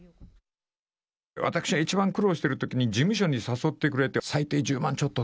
私が一番苦労してるときに、事務所に誘ってくれて、最低１０万